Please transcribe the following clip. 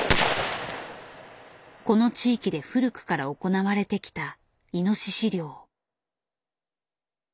この地域で古くから行われてきたイノシシ猟。